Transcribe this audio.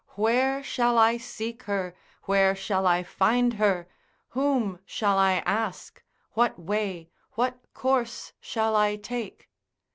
where shall I seek her, where shall I find her, whom shall I ask? what way, what course shall I take?